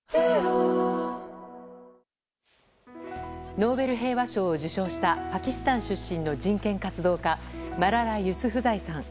ノーベル平和賞を受賞したパキスタン出身の人権活動家マララ・ユスフザイさん。